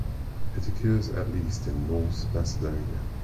It occurs at least in North Macedonia.